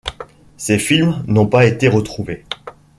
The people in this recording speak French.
Ces films n'ont pas été retrouvés.